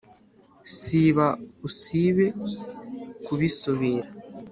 siba usibe kubisubira